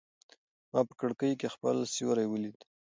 ما په کړکۍ کې خپل سیوری ولید.